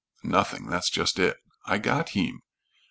"Nothing. That's just it." "I got heem."